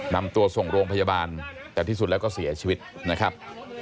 นำตัวส่งโรงพยาบาลแต่ที่สุดแล้วก็เสียชีวิตนะครับ